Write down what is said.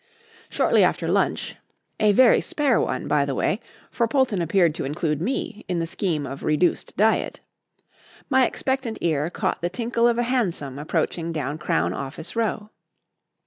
Shortly after lunch (a very spare one, by the way, for Polton appeared to include me in the scheme of reduced diet) my expectant ear caught the tinkle of a hansom approaching down Crown Office Row.